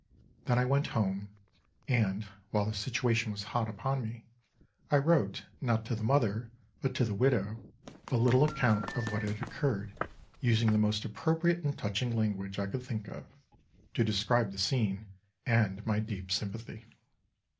Then I went home, and, while the situation was hot upon me, I wrote, not to the mother, but to the widow, a little account of what had occurred, using the most appropriate and touching language I could think of, to describe the scene and my deep sympathy.